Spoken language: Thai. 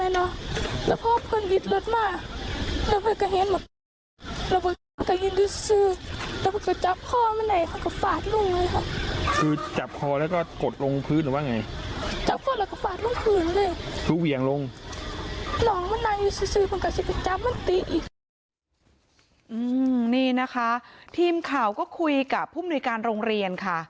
นี่นะคะทีมข่าวก็คุยกับผู้มนุยการโรงเรียนค่ะ